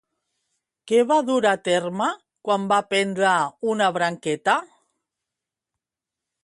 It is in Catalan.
Què va dur a terme quan va prendre una branqueta?